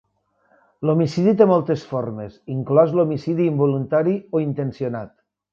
L'homicidi té moltes formes, inclòs l'homicidi involuntari o intencionat.